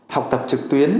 học tập trực tuyến